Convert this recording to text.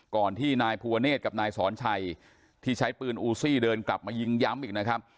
ก่อนที่นายภูวะเนธกับนายสอนชัยที่ใช้ปืนอูซี่เดินกลับมายิงย้ำอีกนะครับ